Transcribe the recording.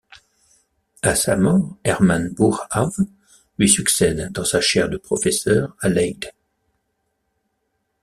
À sa mort, Herman Boerhaave lui succède dans sa chaire de professeur à Leyde.